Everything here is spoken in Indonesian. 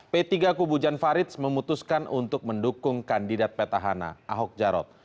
p tiga kubu jan faridz memutuskan untuk mendukung kandidat peta hana ahok jarot